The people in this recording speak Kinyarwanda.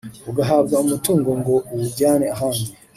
ugahabwa umuntu ngo awujyane ahandi